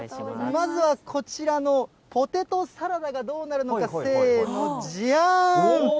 まずはこちらのポテトサラダがどうなるのか、せーの、じゃん。